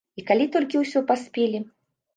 І калі толькі ўсё паспелі?